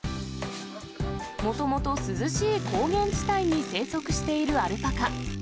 もともと涼しい高原地帯に生息しているアルパカ。